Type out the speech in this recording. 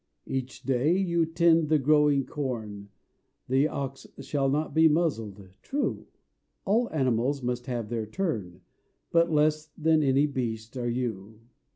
Each day you tend the growing corn, 'The ox shall not be muzzled' True! All animals must have their turn; But less than any beast are you!